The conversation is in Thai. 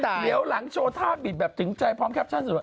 เดี๋ยวหลังโชว์ท่าบิดแบบถึงใจพร้อมแคปชั่นสุดว่า